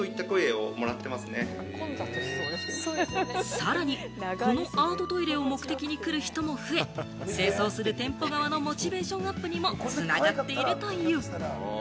さらに、このアートトイレを目的に来る人も増え、清掃する店舗側のモチベーションアップにも繋がっているという。